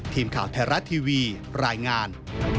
ทีมข่าวไทยรัฐทีวีรายงาน